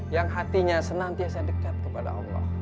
yang hatinya senantiasa dekat kepada allah